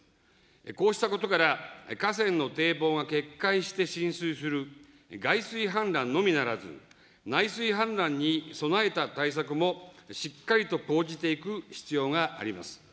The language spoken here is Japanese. こうしたことから、河川の堤防が決壊して浸水する外水氾濫のみならず、内水氾濫に備えた対策もしっかりと講じていく必要があります。